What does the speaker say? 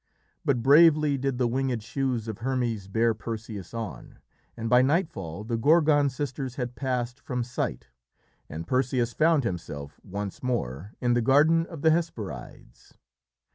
But bravely did the winged shoes of Hermes bear Perseus on, and by nightfall the Gorgon sisters had passed from sight, and Perseus found himself once more in the garden of the Hesperides.